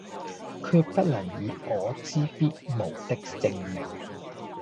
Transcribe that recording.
決不能以我之必無的證明，